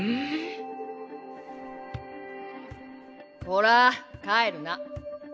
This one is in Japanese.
こら帰るな。